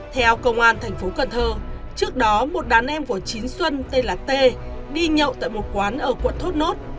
theo công an thành phố cần thơ trước đó một đàn em của chín xuân tên là t đi nhậu tại một quán ở quận thốt nốt